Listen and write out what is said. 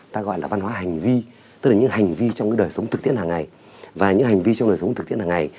ta gọi là văn hóa hành vi tức là những hành vi trong cái đời sống thực tiễn hàng ngày và những hành vi trong đời sống thực tiễn hàng ngày